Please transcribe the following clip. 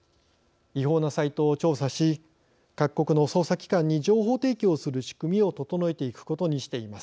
違法なサイトを調査し各国の捜査機関に情報提供する仕組みを整えていくことにしています。